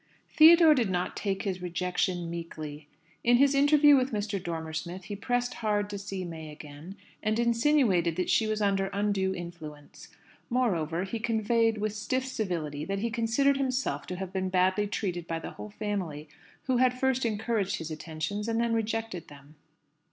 Theodore did not take his rejection meekly. In his interview with Mr. Dormer Smith he pressed hard to see May again, and insinuated that she was under undue influence. Moreover, he conveyed, with stiff civility, that he considered himself to have been badly treated by the whole family, who had first encouraged his attentions and then rejected them.